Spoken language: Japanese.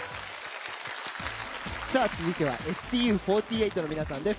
続いてはＳＴＵ４８の皆さんです。